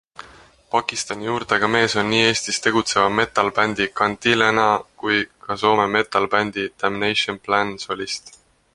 Pakistani juurtega mees on nii Eestis tegutseva metal-bändi Cantilena kui ka Soome metal-bändi Damnation Plan solist.